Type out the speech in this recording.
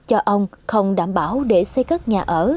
cho ông không đảm bảo để xây cất nhà ở